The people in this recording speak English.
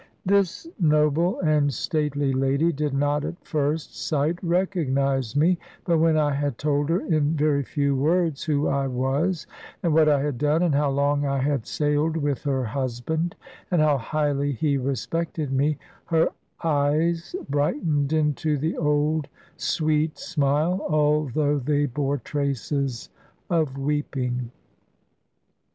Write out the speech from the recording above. This noble and stately lady did not at first sight recognise me; but when I had told her in very few words who I was, and what I had done, and how long I had sailed with her husband, and how highly he respected me, her eyes brightened into the old sweet smile, although they bore traces of weeping.